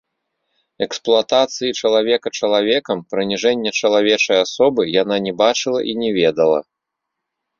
Эксплуатацыі чалавека чалавекам, прыніжэння чалавечай асобы яна не бачыла і не ведала.